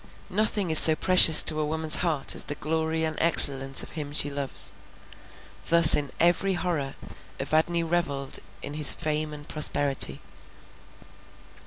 Nothing is so precious to a woman's heart as the glory and excellence of him she loves; thus in every horror Evadne revelled in his fame and prosperity.